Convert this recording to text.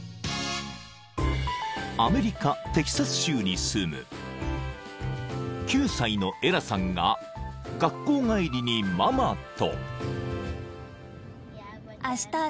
［アメリカテキサス州に住む９歳のエラさんが学校帰りにママと］